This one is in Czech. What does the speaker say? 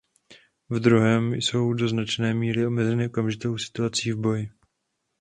V druhém jsou do značné míry omezeny okamžitou situací v boji.